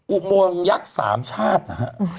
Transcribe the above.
อุโมงยักษ์สามชาตินะฮะ